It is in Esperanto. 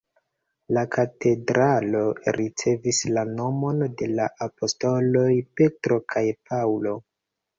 La katedralo ricevis la nomon de la apostoloj Petro kaj Paŭlo.